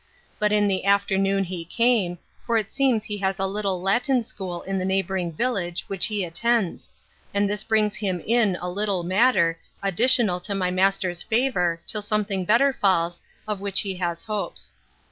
—But in the afternoon he came; for it seems he has a little Latin school in the neighbouring village, which he attends; and this brings him in a little matter, additional to my master's favour, till something better falls, of which he has hopes.